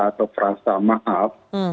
atau perasa maaf